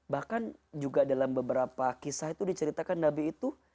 bahkan juga dalam beberapa kisah itu diceritakan nabi itu